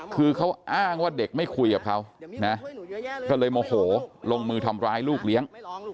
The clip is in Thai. คือเขาอ้างว่าเด็กไม่คุยกับเขานะก็เลยโมโหลงมือทำร้ายลูกเลี้ยง